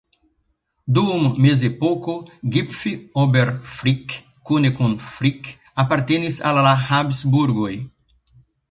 Dum mezepoko Gipf-Oberfrick kune kun Frick apartenis al la Habsburgoj.